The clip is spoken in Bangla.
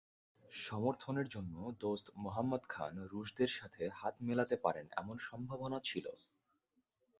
সমর্থনের জন্য দোস্ত মুহাম্মদ খান রুশদের সাথে হাত মেলাতে পারেন এমন সম্ভাবনা ছিল।